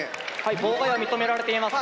妨害は認められています。